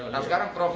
nah sekarang prof